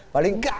paling nggak ada